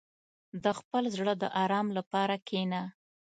• د خپل زړه د آرام لپاره کښېنه.